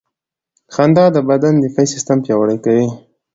• خندا د بدن دفاعي سیستم پیاوړی کوي.